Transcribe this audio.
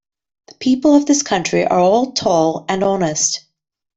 The people of this country are all tall and honest.